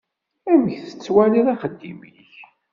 Amek tettwaliḍ axeddim-ik?